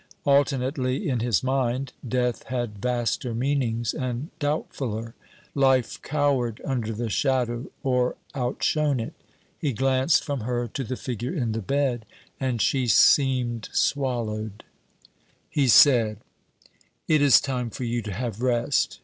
Alternately in his mind Death had vaster meanings and doubtfuller; Life cowered under the shadow or outshone it. He glanced from her to the figure in the bed, and she seemed swallowed. He said: 'It is time for you to have rest.